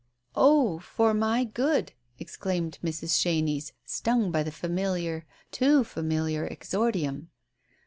"Oh, for my good! " exclaimed Mrs. Chenies, stung by the familiar, too familiar exordium.